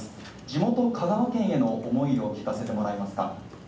地元・香川県への思いを聞かせていただけますか？